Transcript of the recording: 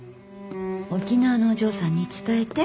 沖縄のお嬢さんに伝えて。